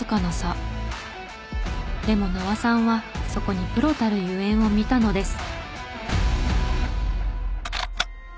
でも名和さんはそこにプロたるゆえんを見たのです。